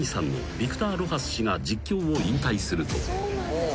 ビクター・ロハス氏が実況を引退すると］